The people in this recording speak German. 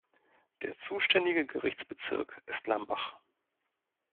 Der zuständige Gerichtsbezirk ist Lambach.